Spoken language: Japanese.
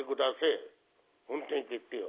「本店行けってよ。